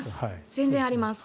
全然あります。